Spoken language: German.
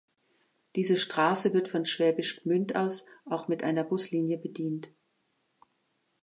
Diese Straße wird von Schwäbisch Gmünd aus auch mit einer Buslinie bedient.